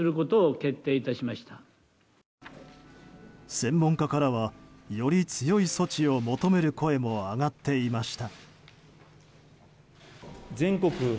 専門家からはより強い措置を求める声も上がっていました。